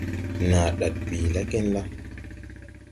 Nàa ndaɗ bìi la genla?